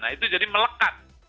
nah itu jadi melekat